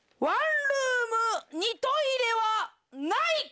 ワンルーム２トイレはない！